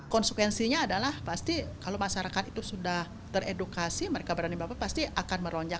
konsekuensinya adalah pasti kalau masyarakat itu sudah teredukasi mereka berani bapak pasti akan meronjak